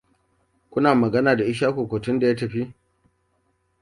Kuna magana da Ishaku kuwa tun da ya tafi?